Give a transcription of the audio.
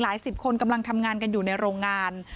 สิบคนกำลังทำงานกันอยู่ในโรงงาน